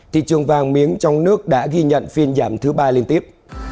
thị trường vàng miếng trong nước đã ghi nhận phiên giảm thứ ba liên tiếp